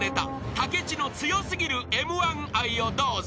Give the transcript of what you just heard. ［武智の強過ぎるＭ−１愛をどうぞ］